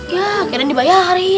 ya keren dibayarin